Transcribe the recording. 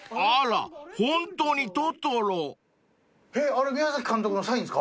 あれ宮崎監督のサインですか？